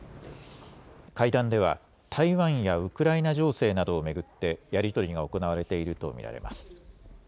会談では台湾やウクライナ情勢などを巡ってやり取りが行われていると見られます。